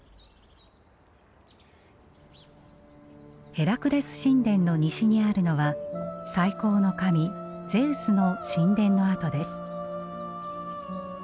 ヘラクレス神殿の西にあるのは最高の神ゼウスの神殿の跡です。